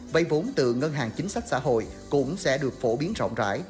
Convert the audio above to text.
vay vốn từ ngân hàng chính sách xã hội cũng sẽ được phổ biến rộng rãi